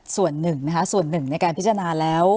ส่วนหนึ่งนะคะส่วนหนึ่งในการพิจารณาแล้ว